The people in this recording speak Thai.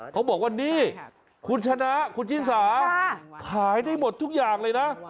เขาบอกว่านี่คุณชนะคุณชิสาขายได้หมดทุกอย่างเลยนะ